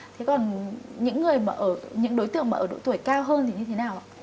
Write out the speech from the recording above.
thế còn những đối tượng mà ở độ tuổi cao hơn thì như thế nào ạ